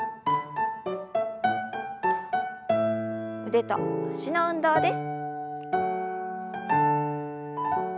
腕と脚の運動です。